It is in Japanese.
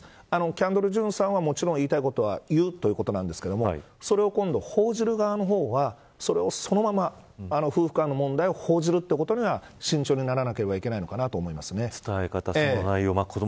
キャンドル・ジュンさんはもちろん言いたいことは言うということなんですがそれを今度、報じる側の方はそれを、そのまま夫婦間の問題を報じるということは慎重にならなければいけないのかと思います。